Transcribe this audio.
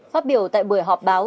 phát biểu tại buổi họp báo